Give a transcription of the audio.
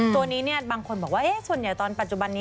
ตัวนี้บางคนบอกว่าส่วนใหญ่ตอนปัจจุบันนี้